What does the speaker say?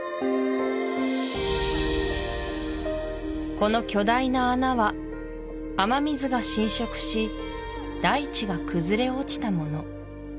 この巨大な穴は雨水が浸食し大地が崩れ落ちたもの